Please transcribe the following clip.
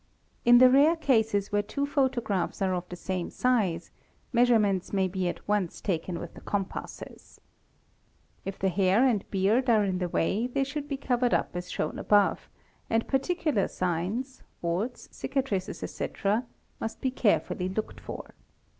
In the rare cases vhere two photographs are of the same size, measurements may be at mce taken with the compasses. If the hair and beard are in the way hey should be covered up as shown above, and particular signs (warts, icatrices, etc.,) must be carefully looked for.